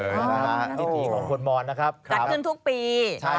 ดิถีของคนหมอนนะครับใช่กัดขึ้นทุกปี